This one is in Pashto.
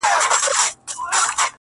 ستا د سونډو د خندا په خاليگاه كـي”